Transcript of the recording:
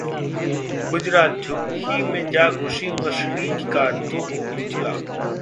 गुजरातः झुग्गी में जा घुसी मर्सिडीज कार, दो को कुचला